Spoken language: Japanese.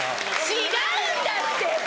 違うんだって！